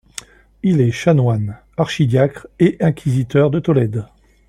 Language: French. Il est chanoine, archidiacre et inquisiteur à Tolède.